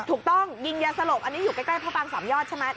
ถูกต้องยิงยาสลบอันนี้อยู่ใกล้พระปางสามยอดใช่ไหม